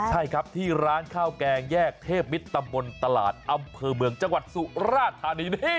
ใช่ครับที่ร้านข้าวแกงแยกเทพมิตรตำบลตลาดอำเภอเมืองจังหวัดสุราธานีนี่